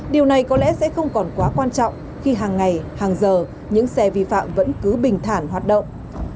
điều này có lẽ sẽ không còn quá quan trọng khi hàng ngày hàng giờ những xe vi phạm vẫn cứ bình thản hoạt động